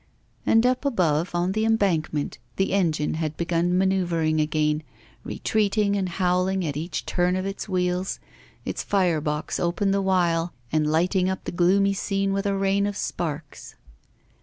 And up above, on the embankment, the engine had begun manoeuvring again, retreating and howling at each turn of its wheels, its fire box open the while, and lighting up the gloomy scene with a rain of sparks.